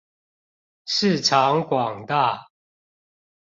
市場廣大